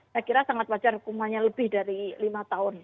saya kira sangat wajar hukumannya lebih dari lima tahun